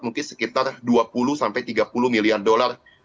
mungkin sekitar dua puluh sampai tiga puluh miliar dolar